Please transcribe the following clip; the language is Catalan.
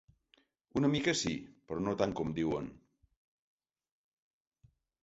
Una mica sí, però no tant com diuen.